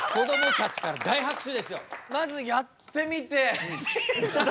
まずやってみて。